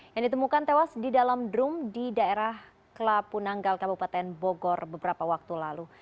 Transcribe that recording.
yang ditemukan tewas di dalam drum di daerah kelapu nanggal kabupaten bogor beberapa waktu lalu